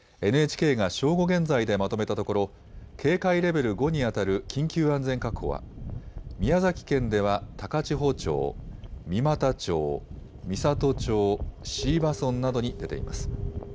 ＮＨＫが正午現在でまとめたところ、警戒レベル５に当たる緊急安全確保は、宮崎県では高千穂町、三股町、美郷町、椎葉村などに出ています。